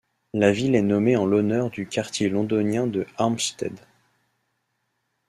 La ville est nommée en l'honneur du quartier londonien de Hampstead.